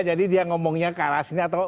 dia ngomongnya ke arah sini atau